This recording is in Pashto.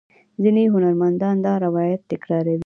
ځینې هنرمندان دا روایت تکراروي.